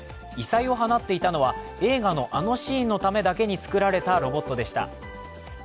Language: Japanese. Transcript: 異彩を放っていたのは映画のあのシーンのためだけに作られたロボットでした。